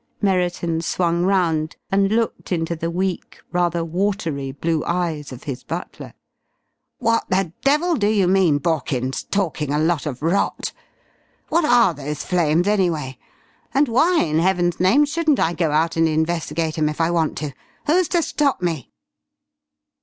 Merriton swung round and looked into the weak, rather watery, blue eyes of his butler. "What the devil do you mean, Borkins, talkin' a lot of rot? What are those flames, anyway? And why in heaven's name shouldn't I go out and investigate 'em if I want to? Who's to stop me?"